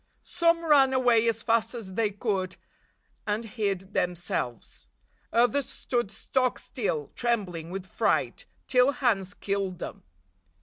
Some ran away as fast as they could and hid themselves. Others stood stock still, trem bling with fright, till Hans killed them.